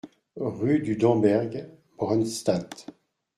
Rue du Damberg, Brunstatt